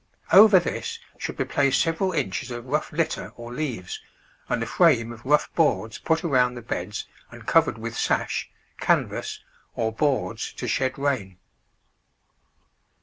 Over this should be placed several inches of rough litter or leaves and a frame of rough boards put around the beds and covered with sash, canvas, or boards to shed rain.